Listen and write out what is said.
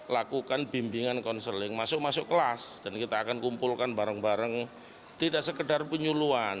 lakukan bimbingan konseling masuk masuk kelas dan kita akan kumpulkan bareng bareng tidak sekedar penyuluan